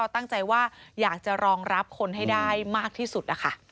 ตั้งใจว่าอยากจะรองรับคนให้ได้มากที่สุดนะคะ